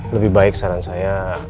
lebih baik saran saya